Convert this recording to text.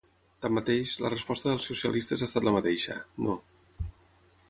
Tanmateix, la resposta dels socialistes ha estat la mateixa: no.